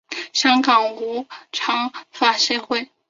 香港五常法协会